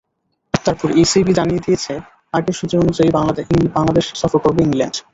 তারপরই ইসিবি জানিয়ে দিয়েছে আগের সূচি অনুযায়ী বাংলাদেশ সফর করবে ইংল্যান্ড।